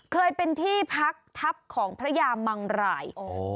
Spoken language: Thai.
เคยเป็นที่พักทัพของพระยามังราย